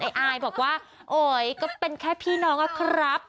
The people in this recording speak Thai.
ไอ้อายบอกว่าก็เป็นแค่พี่น้องนะครับ